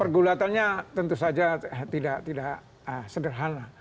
pergulatannya tentu saja tidak sederhana